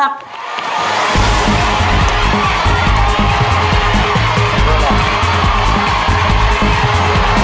โอเค